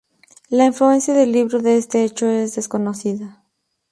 La influencia del libro en este hecho es desconocida.